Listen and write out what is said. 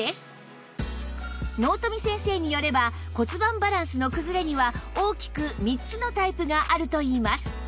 納富先生によれば骨盤バランスの崩れには大きく３つのタイプがあるといいます